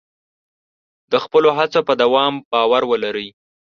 د خپلو هڅو په دوام باور ولرئ.